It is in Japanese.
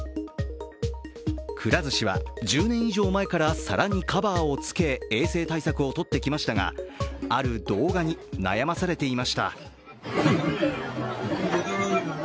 くら寿司は１０年以上前から皿にカバーをつけ衛生対策をとってきましたがある動画に悩まされていました。